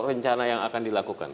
rencana yang akan dilakukan